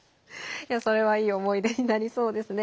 それはいい思い出になりそうですね。